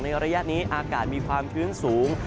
ในออนุญาตนี้อากาศมีความคืนสูง